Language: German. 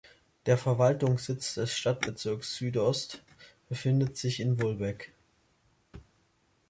Der Verwaltungssitz des Stadtbezirks Süd-Ost befindet sich in Wolbeck.